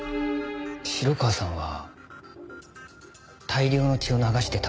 城川さんは大量の血を流して倒れてました。